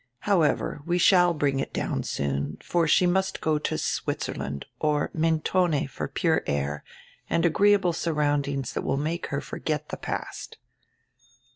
However, we shall bring it down soon, for she must go to Switzerland or Mentone for pure air and agreeable sur roundings diat will make her forget the past."